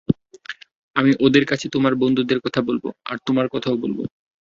আমি ওদের কাছে তোমার বন্ধুদের কথা বলব, আর তোমার কথাও বলব।